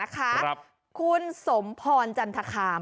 คุณสมพรจรฐคาม